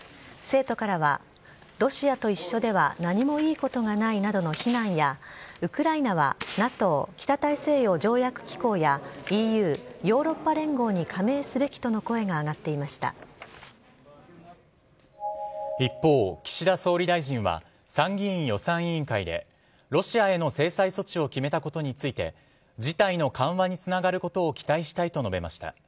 生徒からは、ロシアと一緒では何もいいことがないなどの非難やウクライナはＮＡＴＯ＝北大西洋条約機構やＥＵ＝ヨーロッパ連合に加盟すべきとの声が一方、岸田総理大臣は参議院予算委員会でロシアへの制裁措置を決めたことについて事態の緩和につながることを期待したいと述べました。